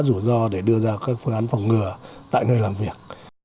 rủi ro để đưa ra các phương án phòng ngừa tại nơi làm việc